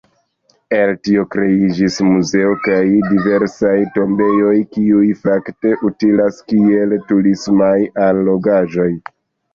El tio kreiĝis muzeo kaj diversaj tombejoj, kiuj fakte utilas kiel turismaj allogaĵoj.